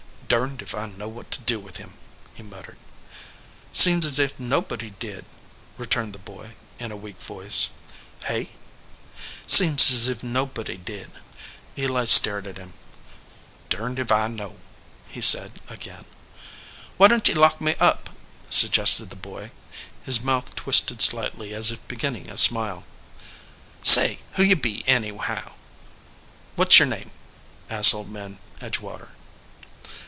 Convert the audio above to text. "Durned if I know what to do with him," he muttered. "Seems as if nobody did," returned the boy, in a weak voice. "Hey?" "Seems as if nobody did." Eli stared at him. "Durned if I know," he said, again. "Why don t ye lock me up ?" suggested the boy. His mouth twisted slightly as if beginning a smile. "Say, who be ye, anyhow ? What s your name ?" asked Old Man Edgewater.